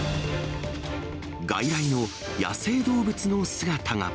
外来の野生動物の姿が。